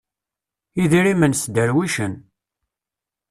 Idrimen sderwicen.